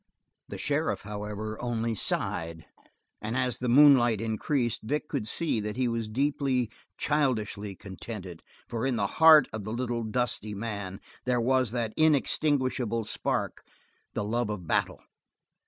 The sheriff, however, only sighed, and as the moonlight increased Vic could see that he was deeply, childishly contented, for in the heart of the little dusty man there was that inextinguishable spark, the love of battle.